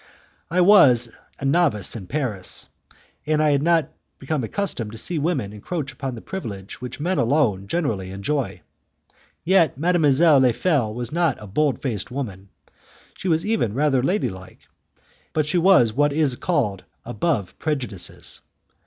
I was a novice in Paris, and I had not been accustomed to see women encroach upon the privilege which men alone generally enjoy. Yet mademoiselle Le Fel was not a bold faced woman; she was even rather ladylike, but she was what is called above prejudices.